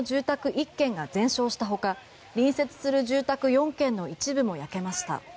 １軒が全焼したほか隣接する住宅４軒の一部も焼けました。